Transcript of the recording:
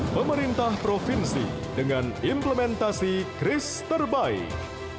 pemerintah provinsi dengan implementasi kris terbaik